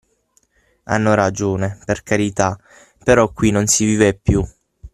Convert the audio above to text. Hanno ragione, per carità, però qui non si vive più.